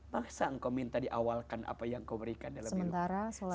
masa engkau minta diawalkan apa yang kau berikan dalam hidup